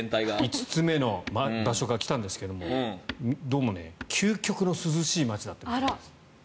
５つ目の場所が来たんですがどうも究極の涼しい街だったみたいです。